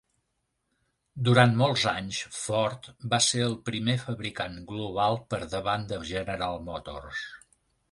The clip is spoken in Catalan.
Durant molts anys Ford va ser el primer fabricant global per davant de General Motors.